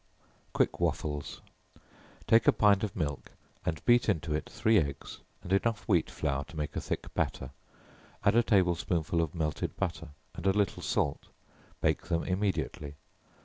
Quick Waffles. Take a pint of milk, and beat into it three eggs, and enough wheat flour to make a thick batter; add a table spoonful of melted butter, and a little salt; bake them immediately.